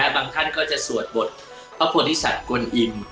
บางท่านก็จะสวดบทพระโพธิสัตว์กลอิม